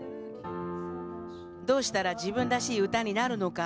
どうしたら自分らしい歌になるのか。